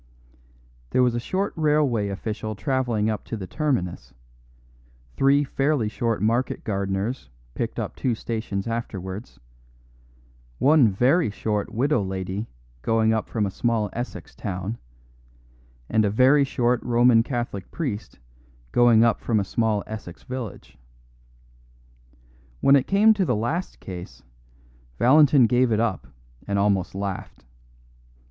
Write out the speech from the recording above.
There was a short railway official travelling up to the terminus, three fairly short market gardeners picked up two stations afterwards, one very short widow lady going up from a small Essex town, and a very short Roman Catholic priest going up from a small Essex village. When it came to the last case, Valentin gave it up and almost laughed.